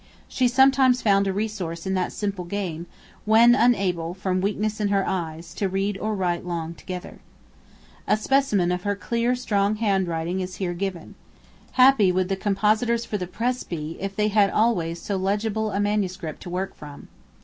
She sometimes found a resource in that simple game, when unable, from weakness in her eyes, to read or write long together. A specimen of her clear strong handwriting is here given. Happy would the compositors for the press be if they had always so legible a manuscript to work from.